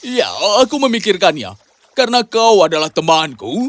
ya aku memikirkannya karena kau adalah temanku